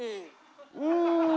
うん！